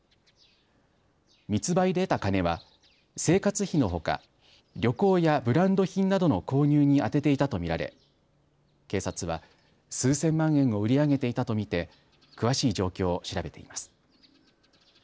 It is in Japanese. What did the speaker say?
密売で得た金は生活費のほか旅行やブランド品などの購入に充てていたと見られ警察は数千万円を売り上げていたと見て詳しい状況を調べています。